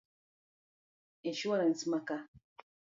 Insuarans ma ka